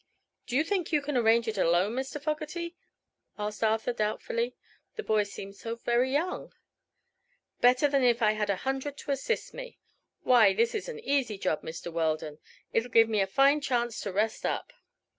"Do you think you can arrange it alone, Mr. Fogerty?" asked Arthur, doubtfully. The boy seemed so very young. "Better than if I had a hundred to assist me. Why, this is an easy job, Mr. Weldon. It 'll give me a fine chance to rest up."